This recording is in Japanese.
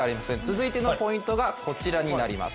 続いてのポイントがこちらになります。